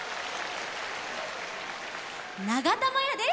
ながたまやです。